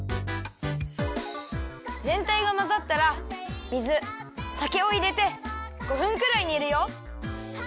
ぜんたいがまざったら水さけをいれて５分くらいにるよ。